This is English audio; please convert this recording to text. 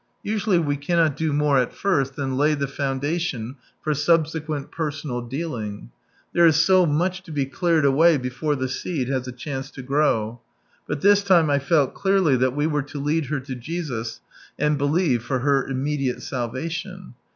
Usually we cannot do more at first than lay the foundation for subsequent personal deahng. There is so much to be cleared away before the seed has a Christmas and New Year in Sunrise Lafid 85 chance lo grow, but ihis time I felt clearly that we were to lead her to Jesus and believe for her immediate salvation.